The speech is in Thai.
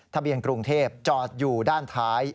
ทะเบียนกรุงเทพจอดอยู่ด้านท้าย